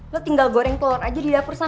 lo tinggal goreng telur aja di dapur sana